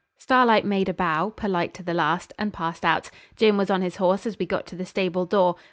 Starlight made a bow, polite to the last, and passed out. Jim was on his horse as we got to the stable door.